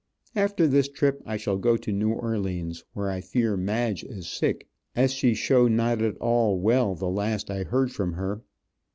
After this trip I shall go to New Orleans,{*} where I fear Madge is sick, as shew as not at all well the last I heard from her.